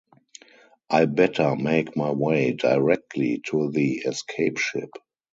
I better make my way directly to the escape ship!